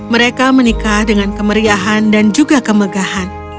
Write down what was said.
mereka menikah dengan kemeriahan dan juga kemegahan